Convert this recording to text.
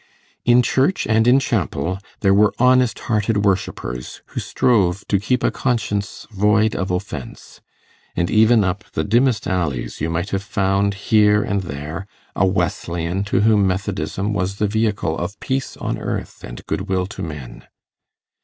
In church and in chapel there were honest hearted worshippers who strove to keep a conscience void of offence; and even up the dimmest alleys you might have found here and there a Wesleyan to whom Methodism was the vehicle of peace on earth and goodwill to men.